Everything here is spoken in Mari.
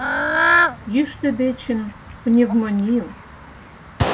Йӱштӧ дечын — пневмонийым.